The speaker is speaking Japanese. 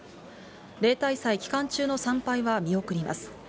例大祭期間中の参拝は見送ります。